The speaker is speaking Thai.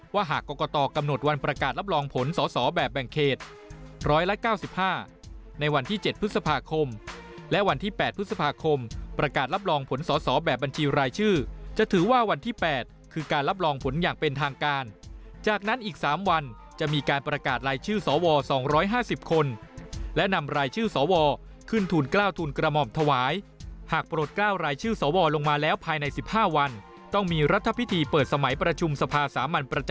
ว่าหากกรกตกำหนดวันประกาศรับรองผลสอแบบแบ่งเขตร้อยและเก้าสิบห้าในวันที่เจ็ดพฤษภาคมและวันที่แปดพฤษภาคมประกาศรับรองผลสอแบบบัญชีรายชื่อจะถือว่าวันที่แปดคือการรับรองผลอย่างเป็นทางการจากนั้นอีกสามวันจะมีการประกาศรายชื่อสอวอสองร้อยห้าสิบคนและนำรายชื่